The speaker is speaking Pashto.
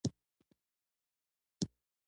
دا د ساحلي هوا تودوخه راښکته کوي.